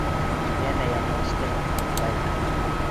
Йәнә яңылыштың, дуҫҡай.